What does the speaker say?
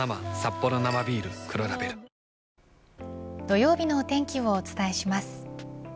土曜日のお天気をお伝えします。